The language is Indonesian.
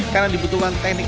karena dibutuhkan teknik